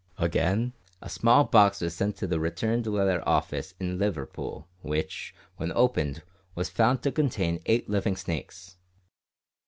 Again, a small box was sent to the Returned Letter Office in Liverpool, which, when opened, was found to contain eight living snakes."